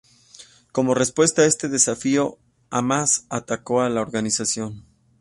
Como respuesta a este desafío, Hamás atacó a la organización.